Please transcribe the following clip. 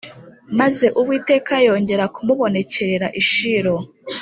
Maze Uwiteka yongera kumubonekerera i Shilo